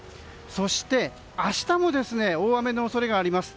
そして、明日も大雨の恐れがあります。